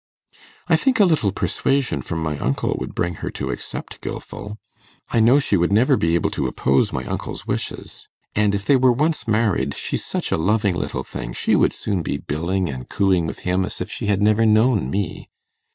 I think a little persuasion from my uncle would bring her to accept Gilfil; I know she would never be able to oppose my uncle's wishes. And if they were once married, she's such a loving little thing, she would soon be billing and cooing with him as if she had never known me.